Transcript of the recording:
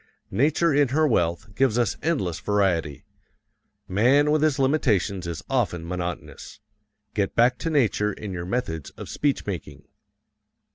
Nature in her wealth gives us endless variety; man with his limitations is often monotonous. Get back to nature in your methods of speech making.